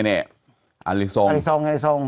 อัลลิซงอัลลิซง